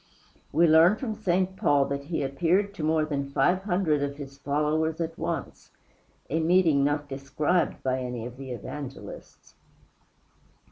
We learn from St. Paul that he appeared to more than five hundred of his followers at once a meeting not described by any of the Evangelists.